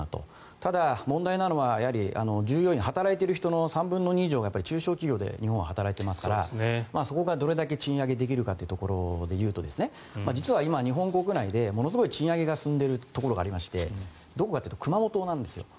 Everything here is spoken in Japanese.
ただ、問題なのは従業員、働いている人の３分の２以上が中小企業で日本は働いていますからそれがどれだけ賃上げできるかで言うと実は今、日本国内でものすごく賃上げが進んでいるところがありましてどこかというと熊本なんですよ。